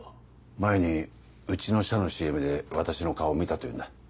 前にうちの社のＣＭで私の顔を見たと言うんだ